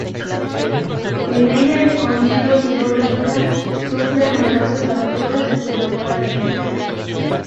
En ella, escondiendo su "doble vida", sufre numerosas aventuras y se enamora del viudo.